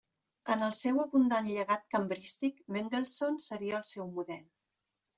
En el seu abundant llegat cambrístic Mendelssohn seria el seu model.